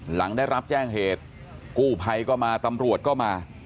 หลังได้รับแจ้งเหตุกู้ภัยก็มาตำรวจก็มา